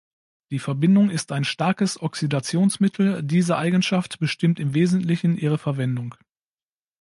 Die Verbindung ist ein starkes Oxidationsmittel, diese Eigenschaft bestimmt im Wesentlichen ihre Verwendungen.